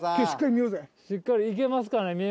しっかりいけますかね？